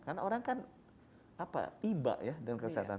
karena orang kan tiba ya dengan kesehatan